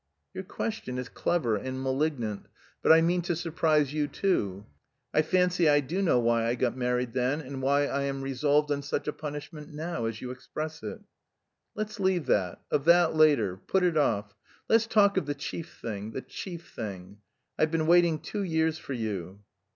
"Your question is clever and malignant, but I mean to surprise you too; I fancy I do know why I got married then, and why I am resolved on such a punishment now, as you express it." "Let's leave that... of that later. Put it off. Let's talk of the chief thing, the chief thing. I've been waiting two years for you."